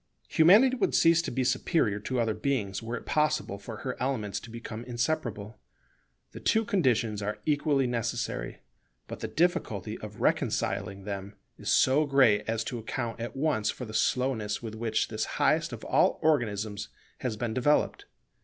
Humanity would cease to be superior to other beings were it possible for her elements to become inseparable. The two conditions are equally necessary: but the difficulty of reconciling them is so great as to account at once for the slowness with which this highest of all organisms has been developed.